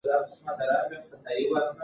ده غوښتل چې د رڼا او غږ تر منځ واټن کم کړي.